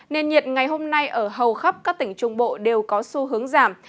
nền nhiệt ngày hôm nay ở hầu khắp các tỉnh trung bộ đều có xu hướng giảm